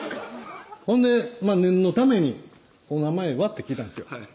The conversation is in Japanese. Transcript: ほんで念のために「お名前は？」って聞いたんですよ